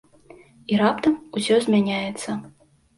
І раптам усё змяняецца.